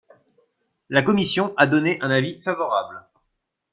La commission a donné un avis favorable.